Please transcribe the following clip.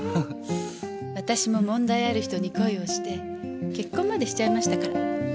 私も問題ある人に恋をして結婚までしちゃいましたから。